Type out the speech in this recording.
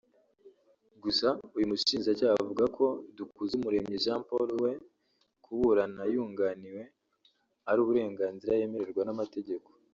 Gusa uyu mushinjacyaha avuga ko kuri Dukuzumuremyi Jean Paul we kuburana yunganiwe ari uburenganzira yemerwa n’amategeko